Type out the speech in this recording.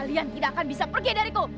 kalian tidak akan bisa pergi dariku